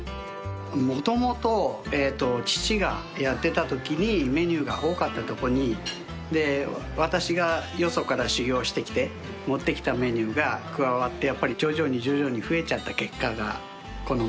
もともと父がやってたときにメニューが多かったとこに私がよそから修業してきて持ってきたメニューが加わって徐々に徐々に増えちゃった結果がこのメニューの量の多さです。